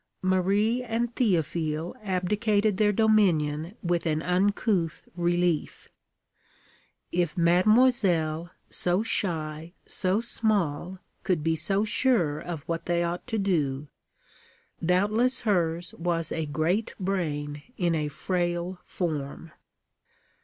Marie and Théophile abdicated their dominion with an uncouth relief. If mademoiselle, so shy, so small, could be so sure of what they ought to do doubtless hers was a great brain in a frail form.